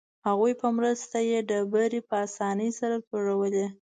هغوی په مرسته یې ډبرې په اسانۍ سره توږلې.